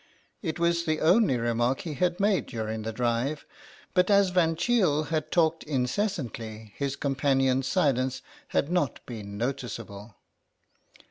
It was the only remark he had made during the drive, but as Van Cheele had talked incessantly his companion's silence had not been notice able.